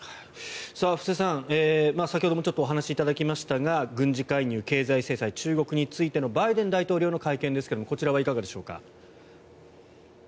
布施さん、先ほどもちょっとお話しいただきましたが軍事介入、経済制裁中国についてのバイデン大統領の会見ですがこちらはいかがでしょうか。